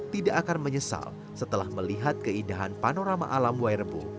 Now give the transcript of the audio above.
tidak akan menyesal setelah melihat keindahan panorama alam wairebo